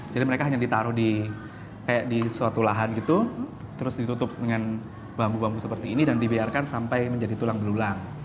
jadi mereka hanya ditaruh di suatu lahan gitu terus ditutup dengan bambu bambu seperti ini dan dibiarkan sampai menjadi tulang belulang